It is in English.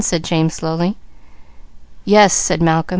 said James, slowly. "Yes," said Malcolm.